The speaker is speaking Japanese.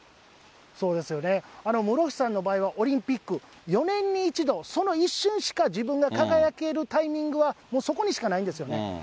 室伏さんの場合はオリンピック、４年に一度、その一瞬しか自分が輝けるタイミングは、もうそこにしかないんですよね。